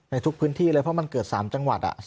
ทุกพื้นที่เลยเพราะมันเกิด๓จังหวัด